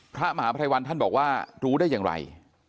พระมหาภัยวันท่านบอกว่ารู้ได้อย่างไร